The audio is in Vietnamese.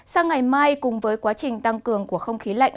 sang ngày mai cùng với quá trình tăng cường của không khí lạnh